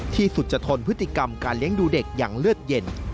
สุจทนพฤติกรรมการเลี้ยงดูเด็กอย่างเลือดเย็น